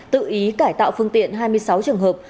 tự ý cải tạo phương tiện hai mươi sáu trường hợp